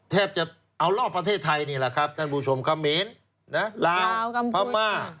แทบจะเอารอบประเทศไทยนี่แหละครับท่านผู้ชมเขมรลาวพม่า